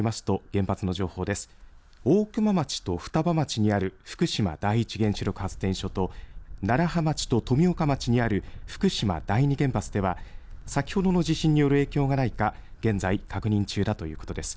次の大熊町と双葉町にある福島第一原子力発電所と楢葉町と富岡町にある福島第二原発では先ほどの地震による影響がないか現在、確認中だということです。